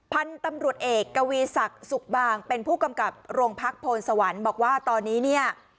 พันธุ์ตำรวจเอกกวีศักดิ์สุขบางเป็นผู้กำกับโรงพักโพนสวรรค์บอกว่าตอนนี้เนี่ย